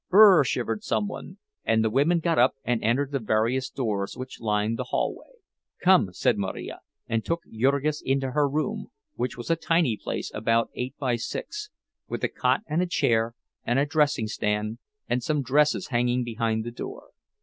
"Br r r!" shivered some one, and the women got up and entered the various doors which lined the hallway. "Come," said Marija, and took Jurgis into her room, which was a tiny place about eight by six, with a cot and a chair and a dressing stand and some dresses hanging behind the door.